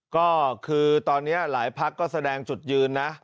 ก็คือตอนนี้หลายพักก็แสดงจุดยืนนะ